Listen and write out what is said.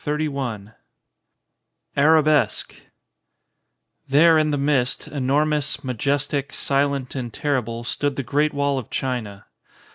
112 XXIX ARABESQUE THERE in the mist, enormous, majestic, silent, and terrible, stood the Great Wall of China.